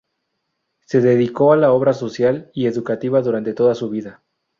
Se dedicó a la obra social y educativa durante toda su vida.